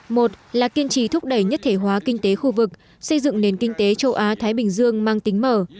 một là kiên trì thúc đẩy nhất thể hóa kinh tế khu vực xây dựng nền kinh tế châu á thái bình dương mang tính mở